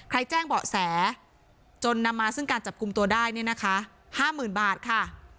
ใครแจ้งเบาะแสจนนำมาซึ่งการจับคุมตัวได้เนี่ยนะคะห้าหมื่นบาทค่ะ